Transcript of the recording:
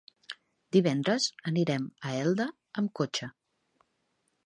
Divendres anirem a Elda amb cotxe.